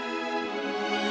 yang berada di